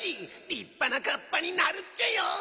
りっぱなカッパになるっちゃよ。